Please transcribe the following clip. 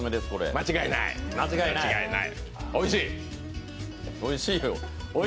間違いない？